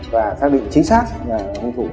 và xác định chính xác là hùng thủ